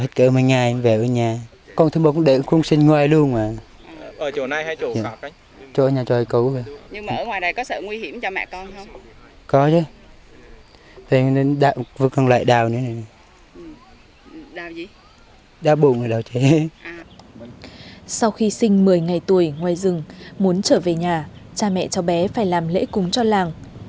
sau khi sinh một mươi ngày tuổi ngoài rừng muốn trở về nhà cha mẹ cho bé phải làm lễ cúng cho làng